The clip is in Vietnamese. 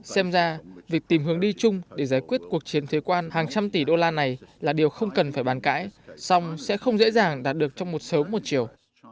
xem ra việc tìm hướng đi chung để giải quyết cuộc chiến thuế quan hàng trăm tỷ đô la này là điều không cần phải bàn cãi song sẽ không dễ dàng đạt được trong một sớm một chiều